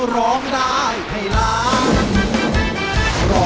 ร้องได้ให้ล้าน